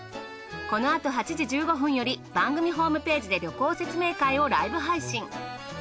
このあと８時１５分より番組ホームページで旅行説明会をライブ配信。